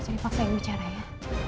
pasti dipaksa yang bicara ya